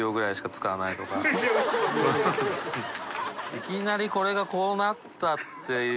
いきなりこれがこうなったっていう。